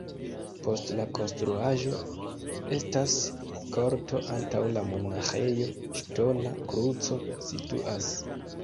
Post la konstruaĵo estas korto, antaŭ la monaĥejo ŝtona kruco situas.